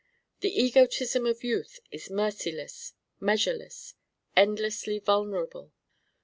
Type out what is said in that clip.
The egotism of youth is merciless, measureless, endlessly vulnerable.